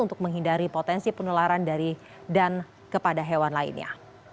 untuk menghindari potensi penularan dari dan kepada hewan lainnya